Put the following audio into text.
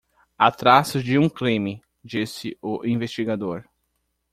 Há traços de um de crime, disse o investigador.